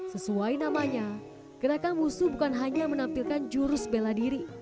sesuai namanya gerakan musuh bukan hanya menampilkan jurus bela diri